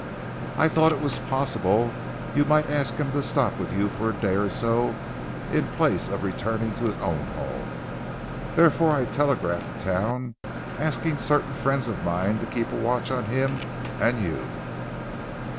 I thought that it was possible you might ask him to stop with you for a day or so in place of returning to his own home. Therefore I telegraphed to town asking certain friends of mine to keep a watch on him and you."